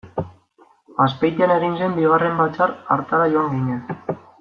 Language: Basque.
Azpeitian egin zen bigarren batzar hartara joan ginen.